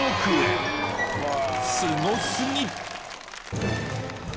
［すご過ぎ］